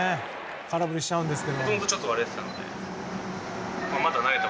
空振りしちゃうんですが。